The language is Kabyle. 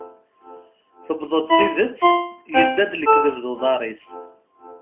Tewweḍ-d tidet, yedda-d lekdeb d uḍar-is.